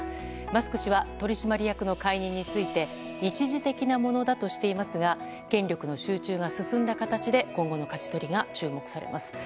マスク氏は取締役の解任について一時的なものだとしていますが権力の集中が進んだ形で今後のかじ取りが注目されます。